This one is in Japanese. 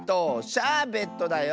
「シャーベット」だよ！